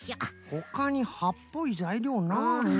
ほかにはっぽいざいりょうなあ。